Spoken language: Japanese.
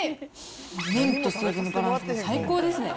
麺とスープのバランスが最高ですね。